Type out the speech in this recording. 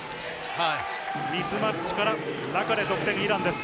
ミスマッチから、得点、イランです。